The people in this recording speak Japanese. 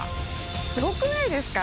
すごくないですか？